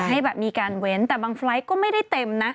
ให้แบบมีการเว้นแต่บางไฟล์ทก็ไม่ได้เต็มนะ